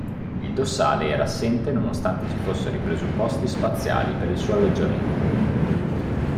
Il dossale era assente nonostante ci fossero i presupposti spaziali per il suo alloggiamento.